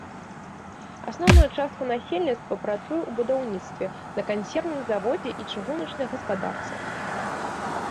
Асноўная частка насельніцтва працуе ў будаўніцтве, на кансервавым заводзе і ў чыгуначнай гаспадарцы.